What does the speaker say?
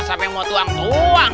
siapa yang mau tuang tuang